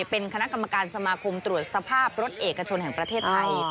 เป็นคณะกรรมการสมาคมตรวจสภาพรถเอกชนแห่งประเทศไทย